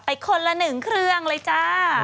คนละ๑เครื่องเลยจ้า